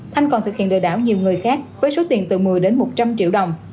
thanh còn thực hiện lừa đảo nhiều người khác với số tiền từ một mươi đến một trăm linh triệu đồng